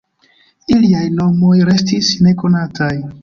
Iliaj nomoj restis nekonataj.